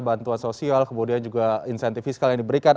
bantuan sosial kemudian juga insentif fiskal yang diberikan